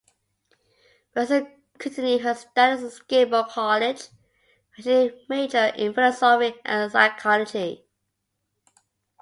Wesson continued her studies at Skidmore College where she majored in philosophy and psychology.